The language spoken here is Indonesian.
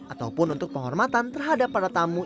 ataupun untuk penghormatan terhadap para tamu